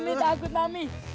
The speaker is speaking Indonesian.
amih takut amih